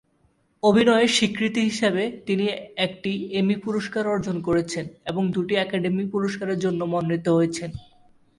অভিনয়ের স্বীকৃতি হিসেবে তিনি একটি এমি পুরস্কার অর্জন করেছেন এবং দুটি একাডেমি পুরস্কারের জন্য মনোনীত হয়েছেন।